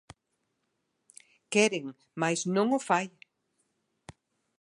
Queren, mais non o fai.